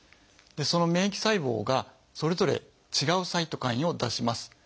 その免疫細胞がそれぞれ違うサイトカインを出します。